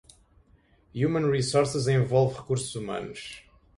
Human Resources envolve recursos humanos.